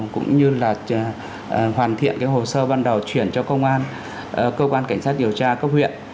cũng như là hoàn thiện hồ sơ ban đầu chuyển cho công an cơ quan cảnh sát điều tra công huyện